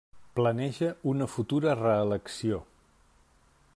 Planeja una futura reelecció.